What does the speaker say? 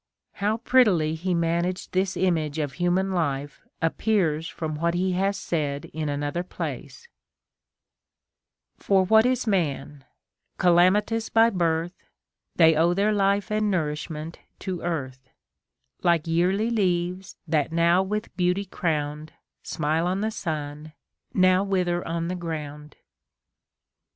f How prettily he managed this image of human life appears from what he hath said in another place :— For what is man ? Calamitous by birth. They owe their life and nourishment to earth ; Like yearly leaves, that now with beauty crown'd, Smile on the sun, now wither on tlie ground.